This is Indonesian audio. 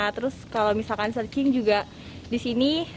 terus kalau misalkan searching juga disini